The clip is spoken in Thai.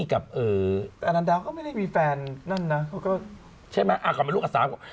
กับอะลำนาก็ไม่ได้มีแฟนนั่นนะเขาก็ใช่ไหมอะกลับมาลูกอาสาร